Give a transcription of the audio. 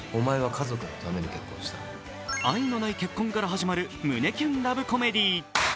愛のない結婚から始まる胸キュンラブコメディー。